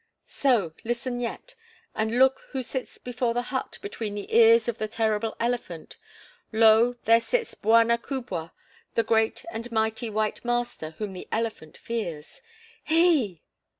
"So, listen yet and look who sits before the hut between the ears of the terrible elephant. Lo, there sits bwana kubwa, the great and mighty white master, whom the elephant fears!" "He!"